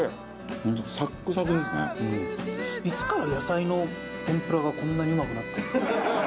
いつから野菜の天ぷらがこんなにうまくなった。